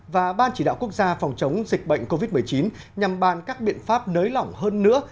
và ban chỉ đạo quốc gia phòng chống dịch bệnh covid một mươi chín nhằm bàn các biện pháp nới lỏng hơn nữa